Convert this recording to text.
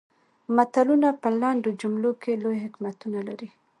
متلونه په لنډو جملو کې لوی حکمتونه لري